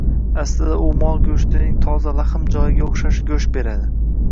Aslida u mol go‘shtining toza lahm joyiga o‘xshash go‘sht beradi